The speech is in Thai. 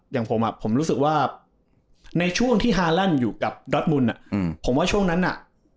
อย่างผมผมรู้สึกว่าในช่วงที่ฮาแลนด์อยู่กับดอสมุนผมว่าช่วงนั้นน่ะ